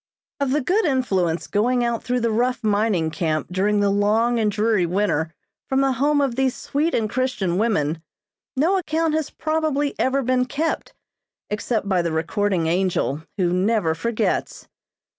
Of the good influence going out through the rough mining camp during the long and dreary winter from the home of these sweet and Christian women, no account has probably ever been kept, except by the recording angel, who never forgets.